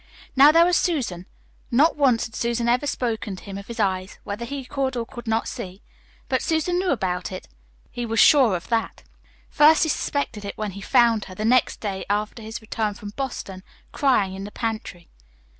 Now there was Susan. Not once had Susan ever spoken to him of his eyes, whether he could or could not see. But Susan knew about it. He was sure of that. First he suspected it when he found her, the next day after his return from Boston, crying in the pantry.